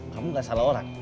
kamu gak salah orang